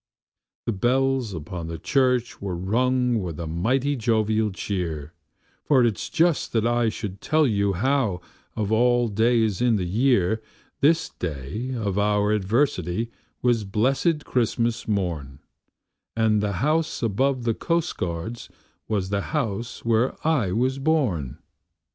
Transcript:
The bells upon the church were rung with a mighty jovial cheer; For it's just that I should tell you how (of all days in the year) This day of our adversity was blessed Christmas morn, And the house above the coastguard's was the house where I was born.